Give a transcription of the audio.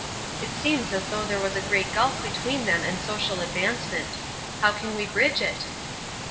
It seems as though there was a great gulf between them and social advancement. How can we bridge it?"